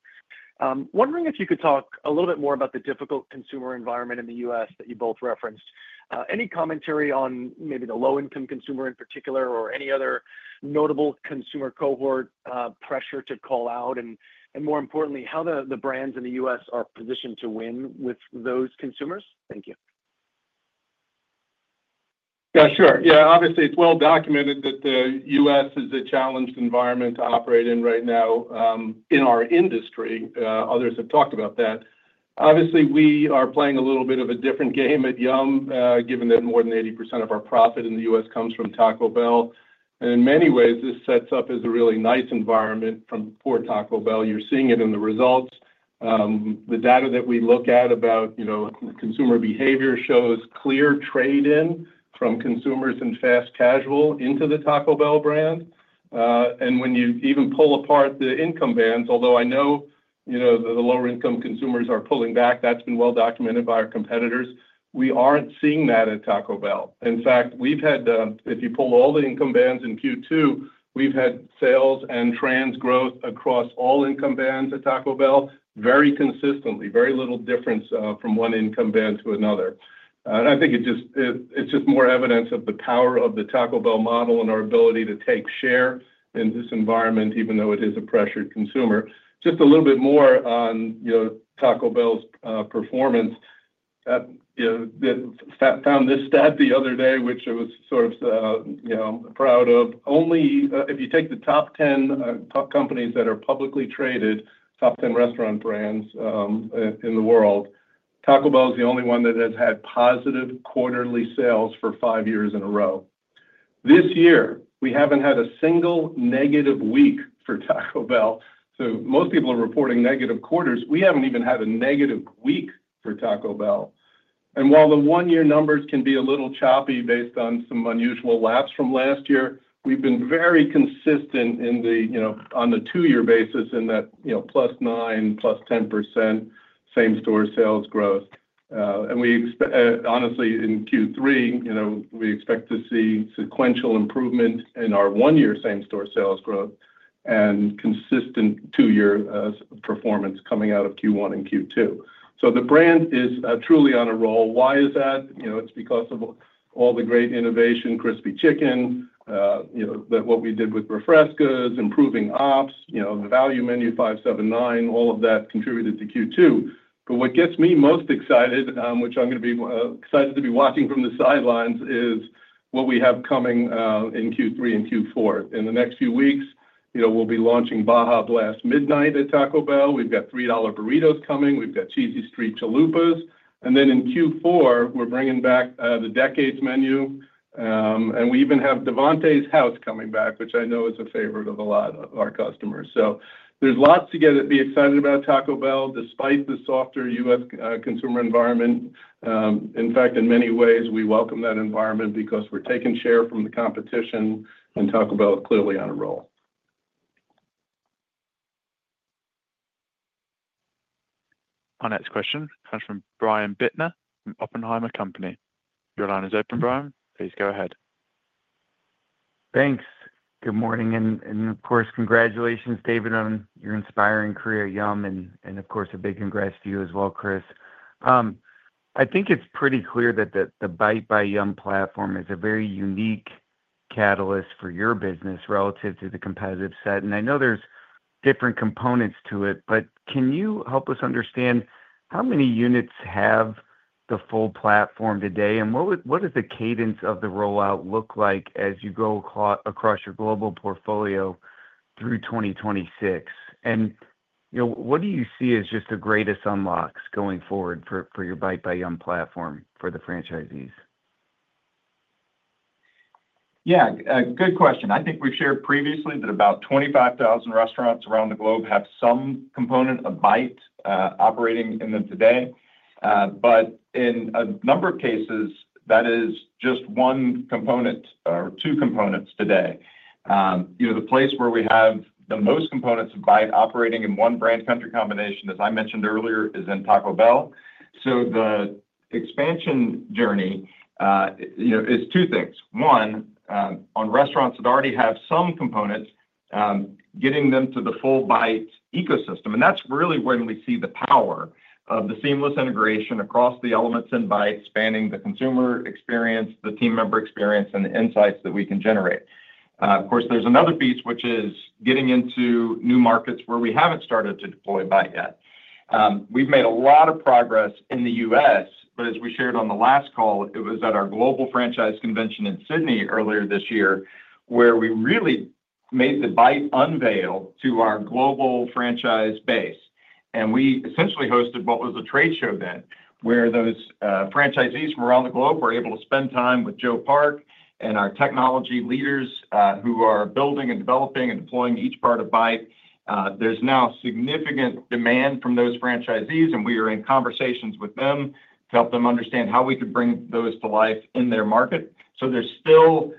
I: Wondering if you could talk a little bit more about the difficult consumer environment in the U.S. that you both referenced. Any commentary on maybe the low income consumer in particular or any other notable consumer cohort pressure to call out, and more importantly, how the brands in the U.S. are positioned to win with those consumers. Thank you.
D: Yeah, obviously it's well documented that the U.S. is a challenged environment to operate in right now in our industry. Others have talked about that. Obviously we are playing a little bit of a different game at Yum! Brands. Given that more than 80% of our profit in the U.S. comes from Taco Bell, in many ways this sets up as a really nice environment for Taco Bell. You're seeing it in the result. The data that we look at about, you know, consumer behavior shows clear trade in from consumers and fast casual into the Taco Bell brand. When you even pull apart the income bands, although I know, you know, the lower income consumers are pulling back, that's been well documented by our competitors, we aren't seeing that at Taco Bell. In fact, if you pull all the income bands in Q2, we've had sales and trans growth across all income bands at Taco Bell very consistently. Very little difference from one income band to another. I think it's just more evidence of the power of the Taco Bell model and our ability to take share in this environment even though it is a pressured consumer. Just a little bit more on Taco Bell's performance. Found this stat the other day, which it was sort of, you know, probably out of only if you take the top 10 companies that are publicly traded, top 10 restaurant brands in the world, Taco Bell is the only one that has had positive quarterly sales for five years in a row. This year we haven't had a single negative week for Taco Bell most people are reporting negative quarters. We haven't even had a negative week for Taco Bell. While the one year numbers can be a little choppy based on some unusual lapse from last year, we've been very consistent on the two year basis in that plus 9% plus 10% same-store sales growth. We honestly in Q3 expect to see sequential improvement in our one year same-store sales growth and consistent two year performance coming out of Q1 and Q2. The brand is truly on a roll. Why is that? It's because of all the great innovation. Crispy chicken, what we did with refreshed goods, improving ops, the value menu, 579, all of that contributed to Q2. What gets me most excited, which I'm going to be excited to be watching from the sidelines, is what we have coming in Q3 and Q4. In the next few weeks, we'll be launching Baja Blast Midnight at Taco Bell. We've got $3 burritos coming. We've got Cheesy Street Chalupas. In Q4, we're bringing back the Decades Menu and we even have Devonte's House coming back, which I know is a favorite of a lot of our customers. There's lots to get excited about. Taco Bell, despite the softer U.S. consumer environment. In fact, in many ways we welcome that environment because we're taking share from the competition and Taco Bell clearly on a roll.
A: Our next question comes from Brian Bittner from Oppenheimer. Your line is open, Brian. Please go ahead.
J: Thanks.Good morning. Of course, congratulations, David, on your inspiring career at Yum! Brands. A big congrats to you as well, Chris. I think it's pretty clear that the Bite restaurant management platform is a very unique catalyst for your business relative to the competitive set. I know there are different components to it, but can you help us understand how many units have the full platform today? What does the cadence of the rollout look like as you go across your global portfolio through 2026, and what do you see as just the greatest unlocks going forward for your Bite restaurant management platform for the franchisees?
D: Yeah, good question. I think we've shared previously that about 25,000 restaurants around the globe have some component of Bite operating in them today. In a number of cases, that is just one component or two components. Today, the place where we have the most components of Bite operating in one brand-country combination, as I mentioned earlier, is in Taco Bell. The expansion journey is two things. One, on restaurants that already have some components, getting them to the full Bite ecosystem. That's really when we see the power of the seamless integration across the elements and by spanning the consumer experience, the team member experience, and the insights that we can generate. Of course, there's another piece which is getting into new markets where we haven't started to deployed Bite yet, we've made a lot of progress in the U.S., but as we shared on the last call, it was at our global franchise convention in Sydney earlier this year where we really made the Bite unveil to our global franchise base. We essentially hosted what was the trade show then, where those franchisees from around the globe were able to spend time with Joe Park and our technology leaders who are building and developing and deploying each part of Bite. There's now significant demand from those franchisees and we are in conversations with them to help them understand how we could bring those to life in their market. There are still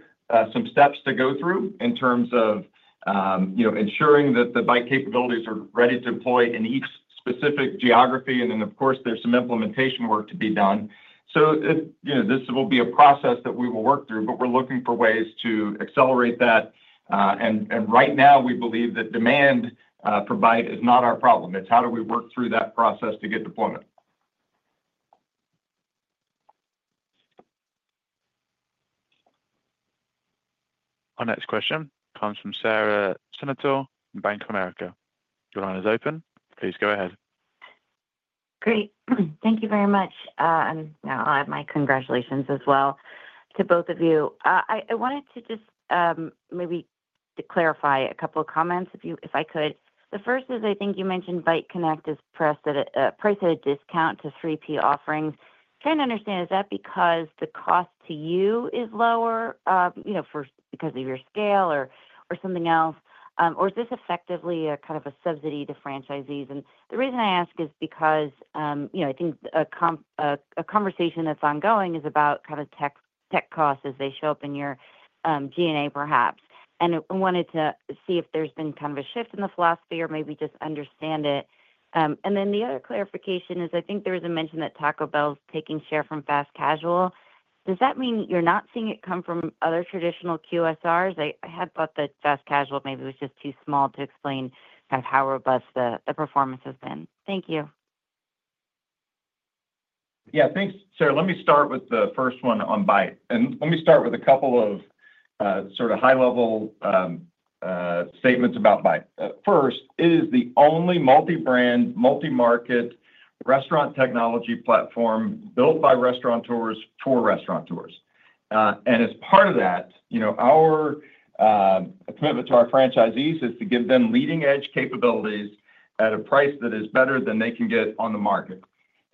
D: some steps to go through in terms of ensuring that the Bite capabilities are ready to deploy in each specific geography. Of course, there's some implementation work to be done. This will be a process that we will work through, but we're looking for ways to accelerate that. Right now we believe that demand for Bite is not our problem. It's how do we work through that process to get deployment.
A: Our next question comes from Sara Senatore, Bank of America. Your line is open. Please go ahead.
K: Great, thank you very much. I'll add my congratulations as well to both of you. I wanted to just maybe clarify a couple of comments if I could. The first is, I think you mentioned Bite Connect is priced at a discount to 3P offerings. Trying to understand, is that because the cost to you is lower, you know, because of your scale or something else? Is this effectively a kind of a subsidy to franchisees? The reason I ask is because I think a conversation that's ongoing is about tech costs as they show up in your G&A, perhaps, and wanted to see if there's been a shift in the philosophy or maybe just understand it. The other clarification is I think there is a mention that Taco Bell's taking share from Fast Casual. Does that mean you're not seeing it come from other traditional QSRs? I had thought that Fast Casual maybe was just too small to explain how robust the performance has been. Thank you.
D: Yeah, thanks, Sara. Let me start with the first one on Bite and let me start with a couple of sort of high-level statements about Bite. First is the only multi-brand, multi-market restaurant technology platform built by restaurateurs for restaurateurs. As part of that, our commitment to our franchisees is to give them leading-edge capabilities at a price that is better than they can get on the market.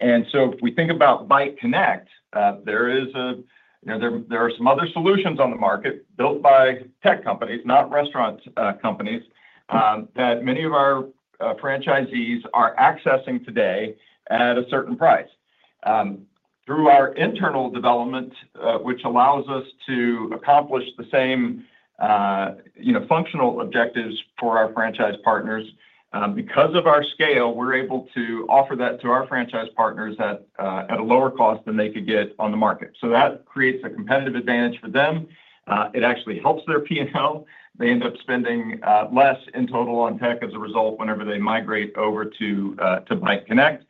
D: We think about Bite Connect, there are some other solutions on the market built by tech companies, not restaurant companies, that many of our franchisees are accessing today at a certain price through our internal development, which allows us to accomplish the same functional objectives for our franchise partners. Because of our scale, we're able to offer that to our franchise partners at a lower cost than they could get on the market. That creates a competitive advantage for them. It actually helps their P&L. They end up spending less in total on tech as a result, whenever they migrate over to Bite Connect.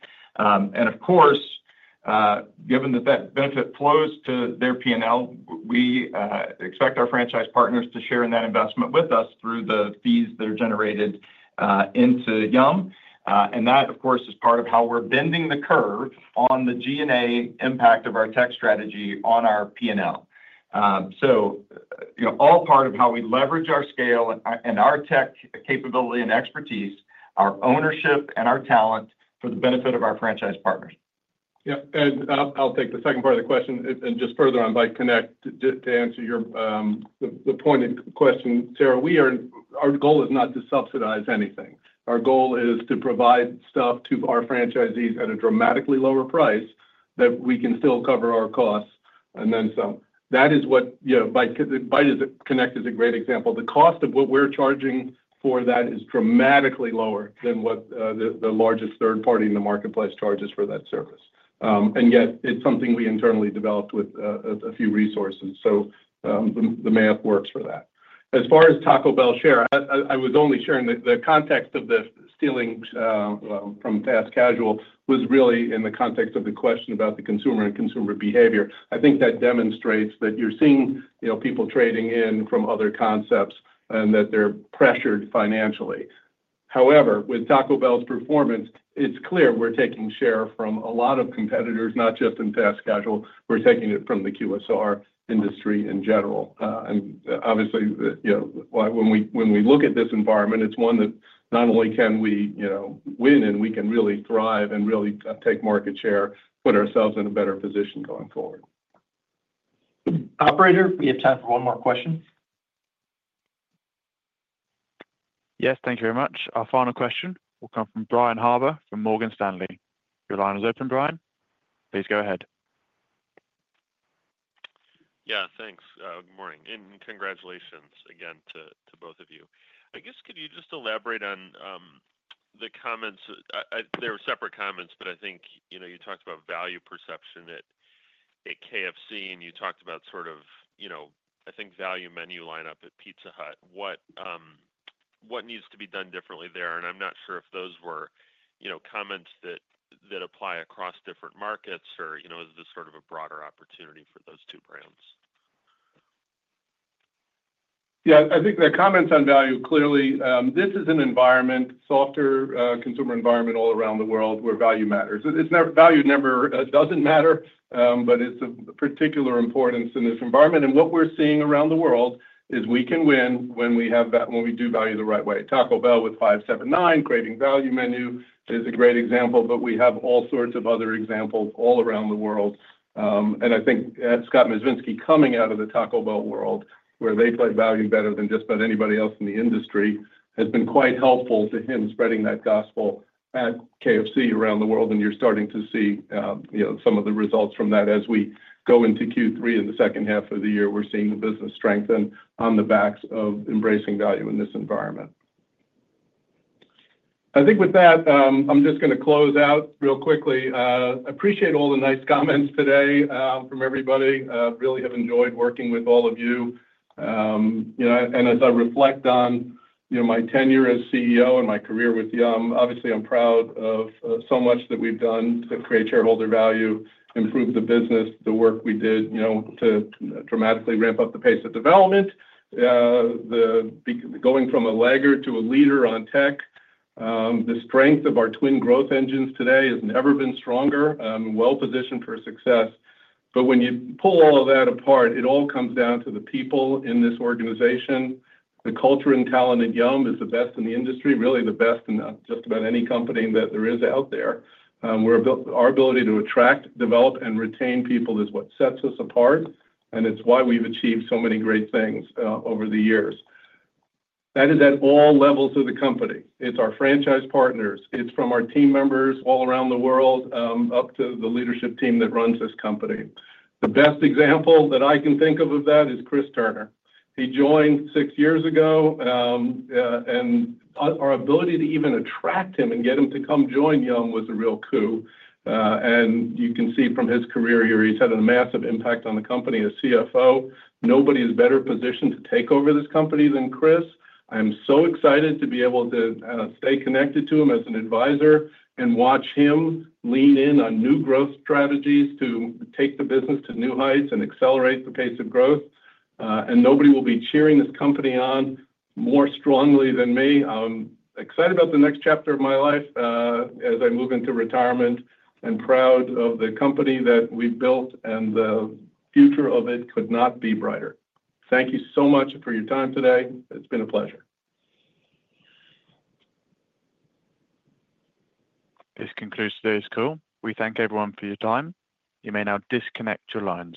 D: Given that benefit flows to their P&L growth, we expect our franchise partners to share in that investment with us through the fees that are generated into Yum. That is part of how we're bending the curve on the G&A impact of our tech strategy on our P&L. All part of how we leverage our scale and our tech capability and expertise, our ownership and our talent for the benefit of our franchise partners. Yeah, I'll take the second part of the question. Just further on Bite Connect, to answer your pointed question, Sara, our goal is not to subsidize anything. Our goal is to provide stuff to our franchisees at a dramatically lower price that we can still cover our costs. That is what, you know, Bite Connect is a great example. The cost of what we're charging for that is dramatically lower than what the largest third party in the marketplace charges for that service. Yet it's something we internally developed with a few resources, so the math works for that. As far as Taco Bell share, I was only sharing the context of this. Stealing from Fast Casual was really in the context of the question about the consumer and consumer behavior. I think that demonstrates that you're seeing people trading in from other concepts and that they're pressured financially. However, with Taco Bell's performance, it's clear we're taking share from a lot of competitors, not just in Fast Casual. We're taking it from the QSR industry in general. Obviously, you know, when we look at this environment, it's one that not only can we win, we can really thrive and really take market share, put ourselves in a better position going forward.
B: Operator, we have time for one more question.
A: Yes, thank you very much. Our final question will come from Brian Harbour from Morgan Stanley. Your line is open, Brian. Please go ahead.
L: Yeah, thanks. Good morning and congratulations again to both of you. I guess could you just elaborate on the comments? They were separate comments, but I think you talked about value perception at KFC and you talked about sort of, I think, value menu lineup at Pizza Hut. What needs to be done differently there? I'm not sure if those were comments that apply across different markets, or is this sort of a broader opportunity for those two brands?
D: Yeah, I think the comments on value, clearly this is an environment, softer consumer environment all around the world where value matters. Value doesn't matter, but it's of particular importance in this environment. What we're seeing around the world is we can win when we have that, when we do value the right way. Taco Bell with $5, $7, $9 creating value menu is a great example, but we have all sorts of other examples all around the world. I think Scott Mezvinsky coming out of the Taco Bell world where they play value better than just about anybody else in the industry has been quite helpful to him spreading that gospel at KFC around the world. You're starting to see some of the results from that. As we go into Q3 in the second half of the year, we're seeing the business strengthen on the backs of embracing value in this environment. I think with that, I'm just going to close out real quickly. Appreciate all the nice comments today from everybody. Really have enjoyed working with all of you, and as I reflect on my tenure as CEO and my career with Yum! Brands, obviously I'm proud of so much that we've done to create shareholder value, improve the business. The work we did to dramatically ramp up the pace of development, going from a lagger to a leader on tech, the strength of our twin growth engines today has never been stronger, well positioned for success. When you pull all of that apart, it all comes down to the people in this organization. The culture and talent at Yum! Brands is the best in the industry, really the best in just about any company that. There is out there where our ability to attract, develop, and retain people is what sets us apart. It's why we've achieved so many great things over the years. That is at all levels of the company. It's our franchise partners from our team members all around the world up to the leadership team that runs this company. The best example that I can think of all of that is Chris Turner. He joined six years ago, and our ability to even attract him and get him to come join Yum! Brands was a real coup. You can see from his career here he's had a massive impact on the company as CFO. Nobody is better positioned to take over this company than Chris. I'm so excited to be able to stay connected to him as an advisor and watch him lean in on new growth strategies to take the business to new heights and accelerate the pace of growth. Nobody will be cheering this company on more strongly than me. I'm excited about the next chapter of my life as I move into retirement and proud of the company that we've built, and the future of it could not be brighter. Thank you so much for your time today. It's been a pleasure.
A: This concludes today's call. We thank everyone for your time. You may now disconnect your lines.